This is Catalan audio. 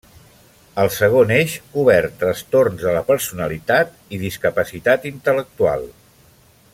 El segon eix cobert trastorns de la personalitat i discapacitat intel·lectual.